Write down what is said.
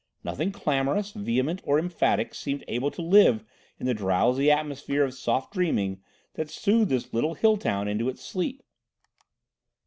Nothing clamorous, vehement or emphatic seemed able to live in the drowsy atmosphere of soft dreaming that soothed this little hill town into its sleep.